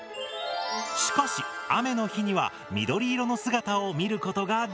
しかし雨の日には緑色の姿を見ることができる。